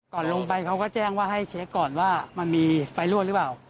ก่อนลงไปเขาก็แจ้งว่าให้เช็คก่อนว่ามันมีไฟรั่วหรือเปล่า